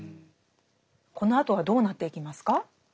このあとはどうなっていきますか？